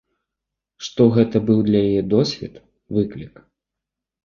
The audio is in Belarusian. Што гэта быў для яе досвед, выклік.